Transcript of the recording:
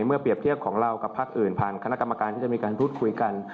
เปรียบเทียบของเรากับพักอื่นผ่านคณะกรรมการที่จะมีการพูดคุยกัน